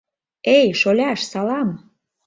— Эй, шоляш, салам!..